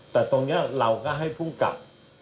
แต่ตรงนี้เราก็ให้ภูมิกับ